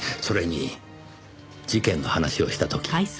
それに事件の話をした時。